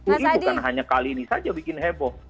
ini bukan hanya kali ini saja bikin heboh